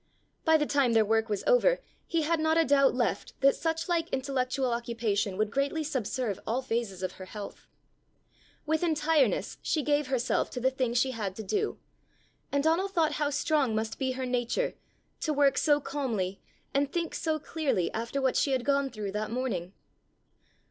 By the time their work was over he had not a doubt left that suchlike intellectual occupation would greatly subserve all phases of her health. With entireness she gave herself to the thing she had to do; and Donal thought how strong must be her nature, to work so calmly, and think so clearly, after what she had gone through that morning.